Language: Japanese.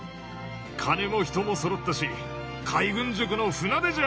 金も人もそろったし海軍塾の船出じゃ！